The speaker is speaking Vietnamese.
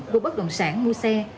bộ bất đồng sản mua xe